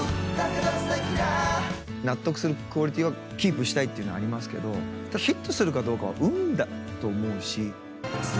納得するクオリティーをキープしたいっていうのはありますけどヒットするかどうかは運だと思うし。